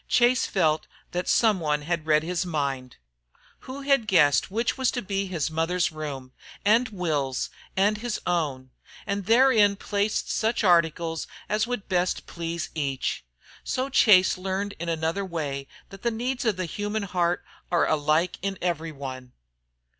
Chase felt that some one had read his mind. Who had guessed which was to be his mother's room, and Will's, and his own, and therein placed such articles as would best please each? So Chase learned in another way that the needs of the human heart are alike in every one.